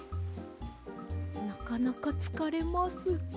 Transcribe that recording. なかなかつかれます。